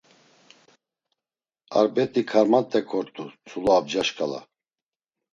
Ar bet̆i karmat̆e kort̆u tzulu abca şǩala.